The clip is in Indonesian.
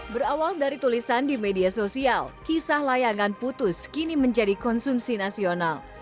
berawal dari tulisan di media sosial kisah layangan putus kini menjadi konsumsi nasional